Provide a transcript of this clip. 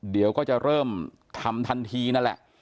เดี๋ยวก็จะเริ่มทำทันทีนั่นแหละ